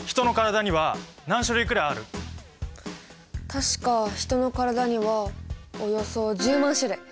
確かヒトの体にはおよそ１０万種類！